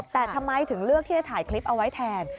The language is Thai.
แต่ทำไมถึงเลือกที่จะถ่ายคลิปเอาไว้แทน